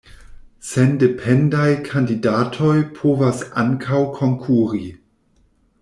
Sendependaj kandidatoj povas ankaŭ konkuri.